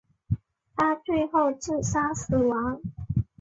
他最后自杀身亡。